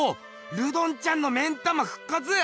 ルドンちゃんの目ん玉ふっかつ！